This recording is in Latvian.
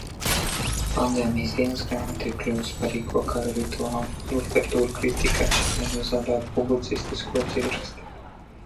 Pandēmijas dienasgrāmata ir kļuvusi par ikvakara rituālu. Literatūrkritika, lai nezaudētu publicistisko dzirksti.